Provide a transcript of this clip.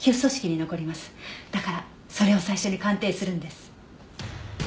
だからそれを最初に鑑定するんです。